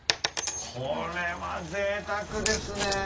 これはぜいたくですね。